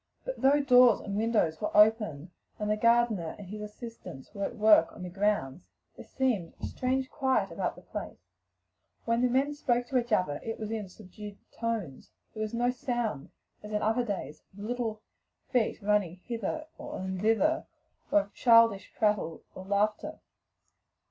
But though doors and windows were open, the gardener and his assistants at work in the grounds, there seemed a strange quiet about the place: when the men spoke to each other it was in subdued tones; there was no sound as in other days of little feet running hither and thither, nor of childish prattle or laughter.